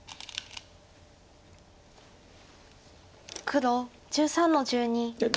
黒１３の十二。